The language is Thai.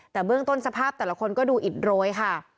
แต่เบื้องต้นสภาพแต่ละคนก็ดูอิดโรยค่ะ